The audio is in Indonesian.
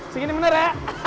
segini bener ya